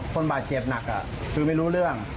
คนบาดเจ็บหนักคือไม่รู้เรื่อง